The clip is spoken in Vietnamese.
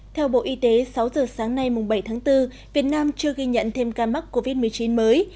theo bộ y tế sáu giờ sáng nay bảy tháng bốn việt nam chưa ghi nhận thêm ca mắc covid một mươi chín mới